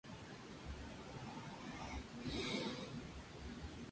En Capilla del Monte existen varias publicaciones periódicas.